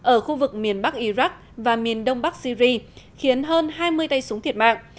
ở khu vực miền bắc iraq và miền đông bắc syri khiến hơn hai mươi tay súng thiệt mạng